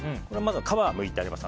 皮をむいてあります。